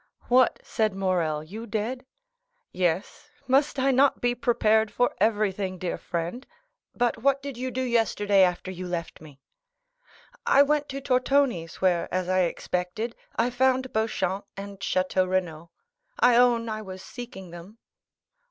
"What?" said Morrel, "you dead?" "Yes; must I not be prepared for everything, dear friend? But what did you do yesterday after you left me?" "I went to Tortoni's, where, as I expected, I found Beauchamp and Château Renaud. I own I was seeking them."